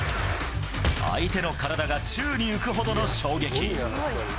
相手の体が宙に浮くほどの衝撃。